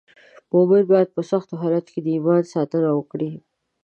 مومن باید په سختو حالاتو کې د ایمان ساتنه وکړي.